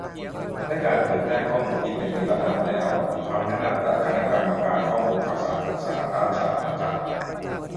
และการเผยแพร่ข้อมูลที่เป็นนิรนามแล้ว - คำแนะนำจากคณะกรรมการข้อมูลข่าวสารของสหราชอาณาจักร